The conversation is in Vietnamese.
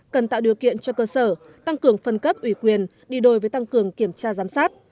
cần tạo điều kiện cho cơ sở tăng cường phân cấp ủy quyền đi đôi với tăng cường kiểm tra giám sát